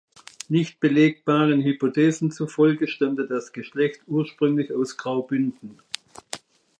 Nicht belegbaren Hypothesen zufolge stammte das Geschlecht ursprünglich aus Graubünden.